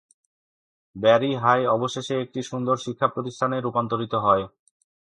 Barry High অবশেষে একটি সুন্দর শিক্ষা প্রতিষ্ঠানে রূপান্তরিত হয়।